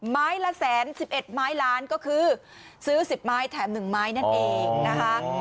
ไม้ละแสน๑๑ไม้ล้านก็คือซื้อ๑๐ไม้แถม๑ไม้นั่นเองนะคะ